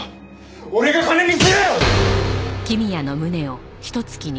俺が金にする！